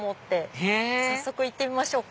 へぇ早速行ってみましょうか。